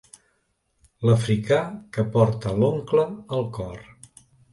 L'africà que porta l'oncle al cor.